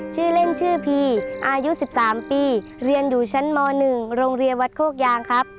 ชื่อเล่นชื่อพีอายุ๑๓ปีเรียนอยู่ชั้นม๑โรงเรียนวัดโคกยางครับ